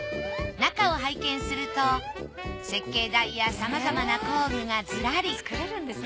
中を拝見すると設計台やさまざまな工具がずらり。